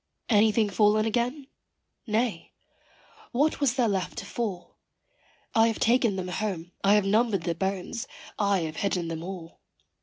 Anything fallen again? nay what was there left to fall? I have taken them home, I have numbered the bones, I have hidden them all.